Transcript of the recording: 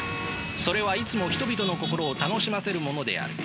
それはいつも人々の心を楽しませるものである。